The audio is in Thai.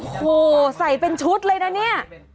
โอ้โหใส่เป็นชุดเลยนะเนี่ย